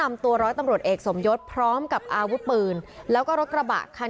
มีกล้วยติดอยู่ใต้ท้องเดี๋ยวพี่ขอบคุณ